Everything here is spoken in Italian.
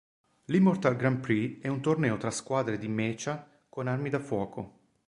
L'Immortal Grand Prix è un torneo tra squadre di mecha con armi da fuoco.